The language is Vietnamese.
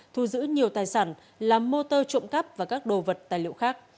thu giữ nhiều tài sản làm motor trộm cắp và các đồ vật tài liệu khác